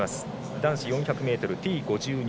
男子４００ｍＴ５２